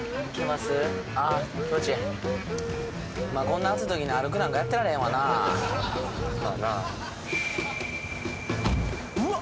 まあこんな暑いときに歩くなんかやってられへんわなまあなうわ！